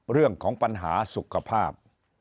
เรื่องของปัญหาสุขภาพ